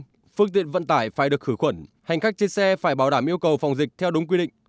trong ngày hôm nay phương tiện vận tải phải được khử khuẩn hành khách trên xe phải bảo đảm yêu cầu phòng dịch theo đúng quy định